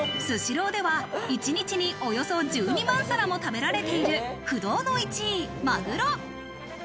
スシローでは一日におよそ１２万皿も食べられている不動の１位マグロ。